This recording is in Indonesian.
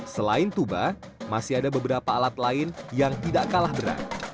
selain tuba masih ada beberapa alat lain yang tidak kalah berat